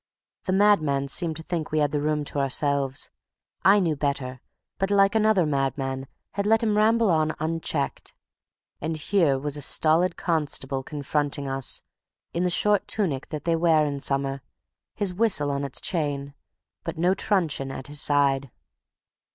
The madman seemed to think we had the room to ourselves. I knew better, but, like another madman, had let him ramble on unchecked. And here was a stolid constable confronting us, in the short tunic that they wear in summer, his whistle on its chain, but no truncheon at his side.